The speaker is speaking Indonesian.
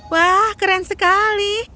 wah keren sekali